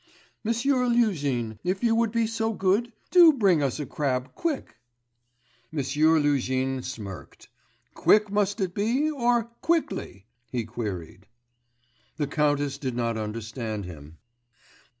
'M'sieu Luzhin, if you would be so good, do bring us a crab quick.' M'sieu Luzhin smirked. 'Quick must it be, or quickly?' he queried. The countess did not understand him.